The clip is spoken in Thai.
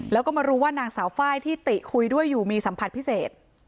แล้วก็มารู้ว่านางสาวไฟล์ที่ติคุยด้วยอยู่มีสัมผัสพิเศษ